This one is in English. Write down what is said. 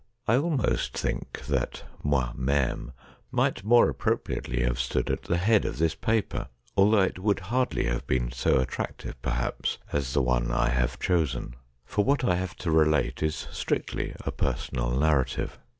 I almost think that Moi meme might have more appropriately stood at the head of this paper, although it would hardly have been so attractive perhaps as the one I have chosen, for what I have to relate is strictly a personal narrative.